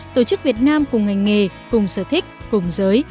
tổ chức việt nam cùng ngành nghề cùng sở thích cùng giới